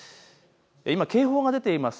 今、警報が出ています。